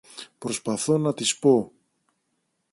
Προσπαθώ να της πω